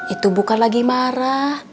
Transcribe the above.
itu bukan lagi marah